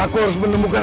aku harus menemukan